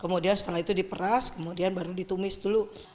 kemudian setelah itu diperas kemudian baru ditumis dulu